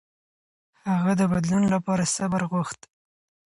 هغه د بدلون لپاره صبر غوښت.